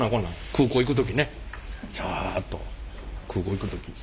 空港行く時ね。と空港行く時に。